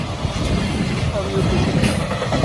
আমিই ওর কুঁচকি!